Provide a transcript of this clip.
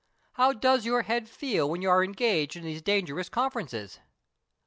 How does your head feel when you are engaged in these dangerous conferences?"